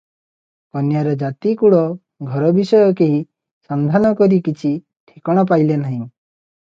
କନ୍ୟାର ଜାତି କୁଳ ଘର ବିଷୟ କେହି ସନ୍ଧାନ କରି କିଛି ଠିକଣା ପାଇଲେ ନାହିଁ ।